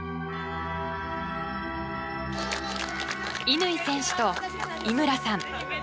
乾選手と井村さん